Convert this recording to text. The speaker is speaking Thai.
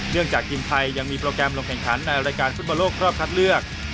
จากทีมไทยยังมีโปรแกรมลงแข่งขันในรายการฟุตบอลโลกรอบคัดเลือก